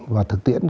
và thực tiện